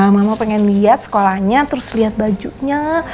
mama pengen liat sekolahnya terus liat bajunya